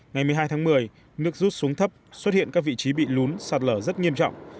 ngày một mươi hai tháng một mươi nước rút xuống thấp xuất hiện các vị trí bị lún sạt lở rất nghiêm trọng